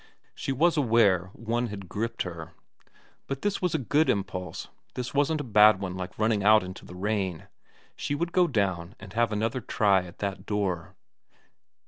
She was aware one had gripped her, 224 VERA xi but this was a good impulse, this wasn't a bad one like running out into the rain : she would go down and have another try at that door.